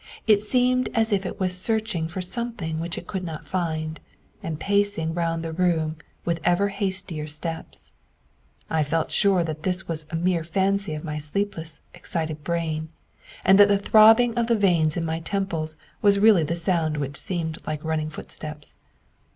It seemed as if it was searching for something which it could not find, and pacing round the room with ever hastier steps. I felt quite sure that this was a mere fancy of my sleepless, excited brain; and that the throbbing of the veins in my temples was really the sound which seemed like running footsteps.